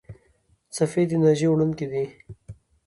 څپې د انرژۍ وړونکي دي.